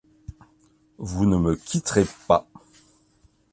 Vous ne me quitterez pas.